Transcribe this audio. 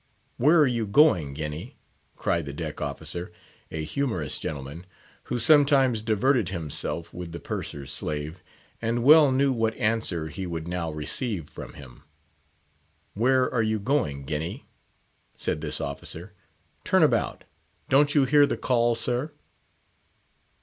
"Where are you going, Guinea?" cried the deck officer, a humorous gentleman, who sometimes diverted himself with the Purser's slave, and well knew what answer he would now receive from him. "Where are you going, Guinea?" said this officer; "turn about; don't you hear the call, sir?"